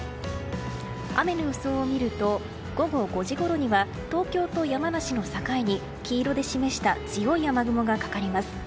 雨の予想を見ると午後５時ごろには東京と山梨の境に黄色で示した強い雨雲がかかります。